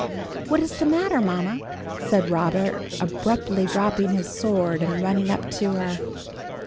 "What is the matter, mamma?" said Robert, abruptly dropping his sword and running up to her.